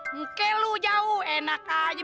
oke lu jauh enak aja